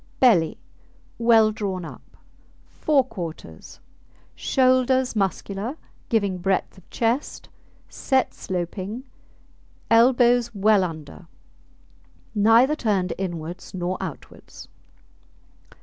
BELLY Well drawn up. FORE QUARTERS Shoulders muscular, giving breadth of chest, set sloping, elbows well under, neither turned inwards nor outwards.